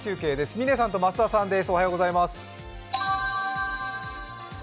嶺さんと増田さんです。